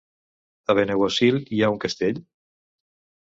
A Benaguasil hi ha un castell?